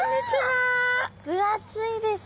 分厚いですね。